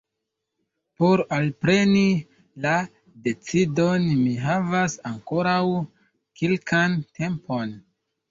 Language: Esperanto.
Por alpreni la decidon mi havas ankoraŭ kelkan tempon.